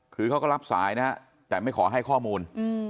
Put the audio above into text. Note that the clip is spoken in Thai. คือเขาก็รับสายนะฮะแต่ไม่ขอให้ข้อมูล